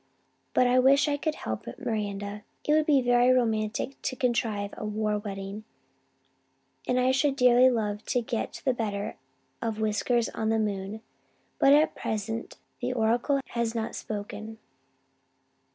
"I wish I could help Miranda. It would be very romantic to contrive a war wedding and I should dearly love to get the better of Whiskers on the moon. But at present the oracle has not spoken."